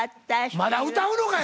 まだ歌うのかよ！